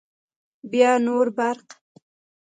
بیا نور برق